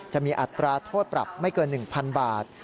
อัตราโทษปรับไม่เกิน๑๐๐๐บาท